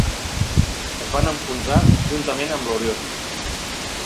Es van enfonsar juntament amb l'"Orion".